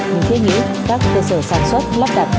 mình thích nghĩ các cơ sở sản xuất lắp đặt